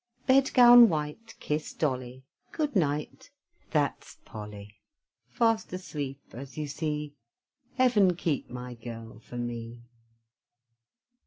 Bed gown white, kiss Dolly; Good night! that's Polly, Fast asleep, as you see, Heaven keep my girl for me!